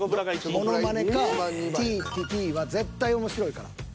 モノマネかＴ・ＴＴは絶対面白いから。